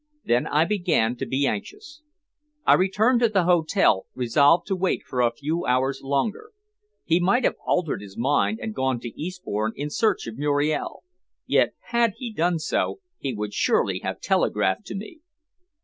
Then I began to be anxious. I returned to the hotel, resolved to wait for a few hours longer. He might have altered his mind and gone to Eastbourne in search of Muriel; yet, had he done so, he would surely have telegraphed to me.